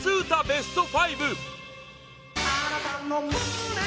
ベスト５！